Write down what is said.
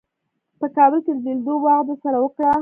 په کابل کې د لیدو وعده سره وکړه.